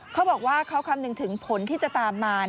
เขาบอกว่าเขาคำนึงถึงผลที่จะตามมา